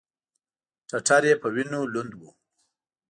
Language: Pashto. ټټر یې په وینو لوند و.